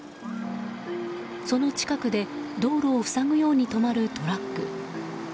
その近くで、道路を塞ぐように止まるトラック。